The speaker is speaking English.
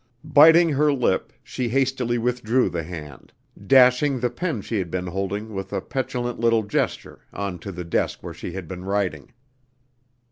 Biting her lip she hastily withdrew the hand, dashing the pen she had been holding with a petulant little gesture on to the desk where she had been writing.